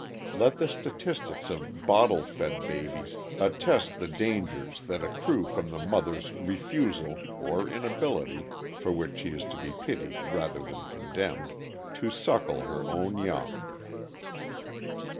Let the statistics of "bottle fed" babies attest the dangers that accrue from the mother's refusal (or inability for which she is to be pitied rather than condemned) to suckle her own young.